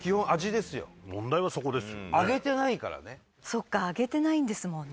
そっか揚げてないんですもんね。